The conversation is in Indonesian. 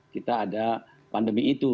kita ada pandemi itu